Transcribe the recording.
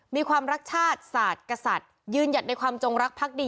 มีความรักชาติศาสตร์กษัตริย์ยืนหยัดในความจงรักพักดี